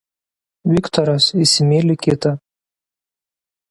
Viktoras įsimyli kitą.